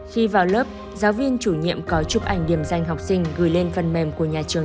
khi vào lớp giáo viên chủ nhiệm có chụp ảnh điểm danh học sinh gửi lên phần mềm của nhà trường